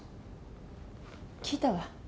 聞いたわ。